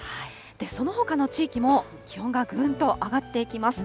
そのほかの地域も、気温がぐんと上がってきます。